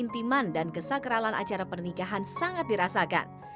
intiman dan kesakralan acara pernikahan sangat dirasakan